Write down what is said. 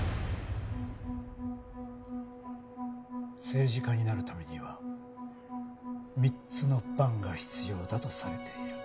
政治家になるためには３つのバンが必要だとされている。